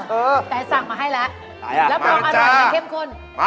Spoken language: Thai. เออแต่สั่งมาให้ละ